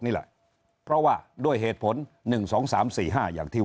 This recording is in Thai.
นี่แหละเพราะว่าด้วยเหตุผลหนึ่งสองสามสี่ห้าอย่างที่